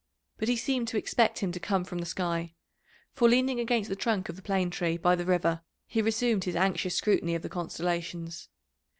But he seemed to expect him to come from the sky, for, leaning against the trunk of the plane tree by the river, he resumed his anxious scrutiny of the constellations.